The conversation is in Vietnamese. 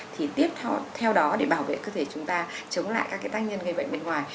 thì tiếp theo đó để bảo vệ cơ thể chúng ta chống lại các tác nhân gây bệnh bên ngoài